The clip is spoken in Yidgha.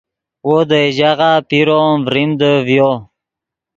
وو دئے ژاغہ پیرو ام ڤریمدے ڤیو